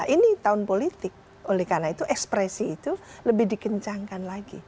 ini tahun politik oleh karena itu ekspresi itu lebih dikencangkan lagi